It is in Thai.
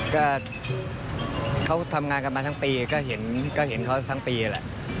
ก็เขาทำงานกันมาทั้งปีก็เห็นเขาทั้งปีแหละ